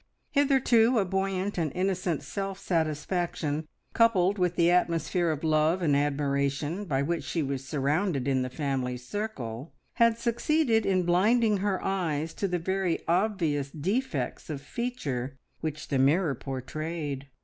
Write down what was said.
Hitherto a buoyant and innocent self satisfaction, coupled with the atmosphere of love and admiration by which she was surrounded in the family circle, had succeeded in blinding her eyes to the very obvious defects of feature which the mirror portrayed.